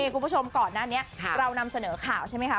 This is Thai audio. คุณผู้ชมก่อนหน้านี้เรานำเสนอข่าวใช่ไหมคะ